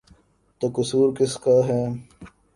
تو قصور کس کا ہے؟